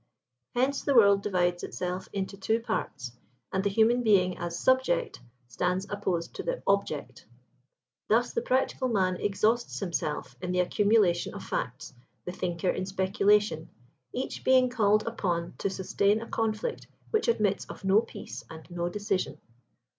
Hence the world divides itself into two parts, and the human being as subject, stands opposed to the object. Thus the practical man exhausts himself in the accumulation of facts, the thinker in speculation; each being called upon to sustain a conflict which admits of no peace and no decision.